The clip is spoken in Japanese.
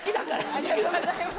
ありがとうございます。